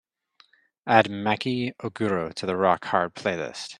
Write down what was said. Add maki ohguro to the rock hard playlist